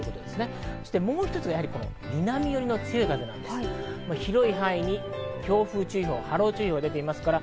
そしてもう一つ、南寄りの強い風、広い範囲に強風注意報、波浪注意報が出ています。